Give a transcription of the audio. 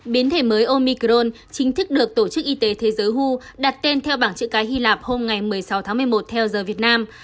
biến thể mới omicrone chính thức được tổ chức y tế thế giới hu đặt tên theo bảng chữ cái hy lạp hôm ngày một mươi sáu tháng một mươi một theo giờ việt nam